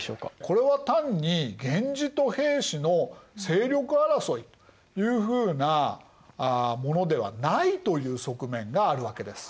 これは単に源氏と平氏の勢力争いいうふうなものではないという側面があるわけです。